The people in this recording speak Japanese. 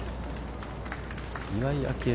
岩井明愛。